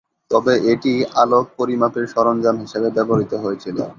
তবে এটি আলোক পরিমাপের সরঞ্জাম হিসাবে ব্যবহৃত হয়েছিল।